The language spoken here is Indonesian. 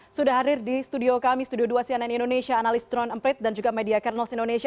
sudah hadir di studio kami studio dua cnn indonesia analis drone emprit dan juga media kernels indonesia